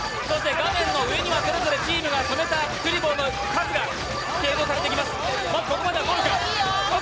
画面のうえにはそれぞれのチームが染めたクリボーの数が計上されていきます。